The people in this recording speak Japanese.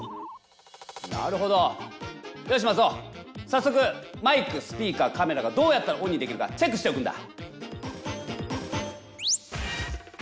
さっそくマイクスピーカーカメラがどうやったらオンにできるかチェックしておくんだ。